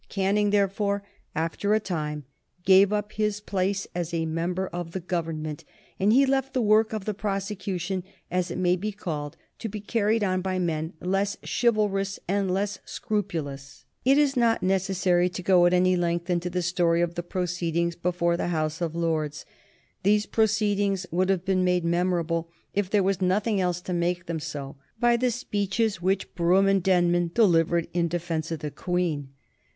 Canning, therefore, after a time, gave up his place as a member of the Government, and he left the work of the prosecution, as it may be called, to be carried on by men less chivalrous and less scrupulous. It is not necessary to go at any length into the story of the proceedings before the House of Lords. These proceedings would have been made memorable, if there were nothing else to make them so, by the speeches which Brougham and Denman delivered in defence of the Queen.